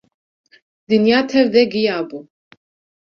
Dinya tev de giya bû.